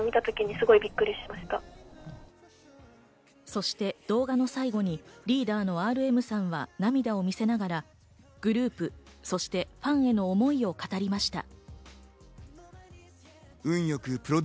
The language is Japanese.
そして動画の最後にリーダーのＲＭさんは涙を見せながら、グループ、そしてファンへの思いを語りました。